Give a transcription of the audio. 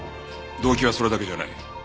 動機はそれだけじゃない。